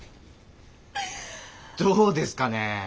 どうですかね？